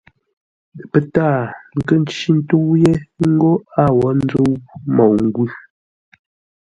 Pə́ taa nkə́ ncí ńtə́u yé ńgó a wó ńzə́u môu-ngwʉ̂.